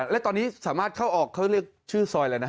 และตอนนี้สามารถเข้าออกเขาเรียกชื่อซอยแล้วนะฮะ